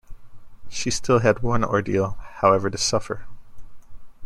She still had one ordeal, however, to suffer.